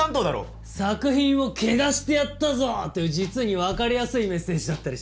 「作品を汚してやったぞ！」という実にわかりやすいメッセージだったりして。